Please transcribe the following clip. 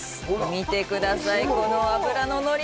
見てください、この脂の乗り！